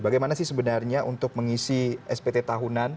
bagaimana sih sebenarnya untuk mengisi spt tahunan